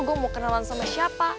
gue mau kenalan sama siapa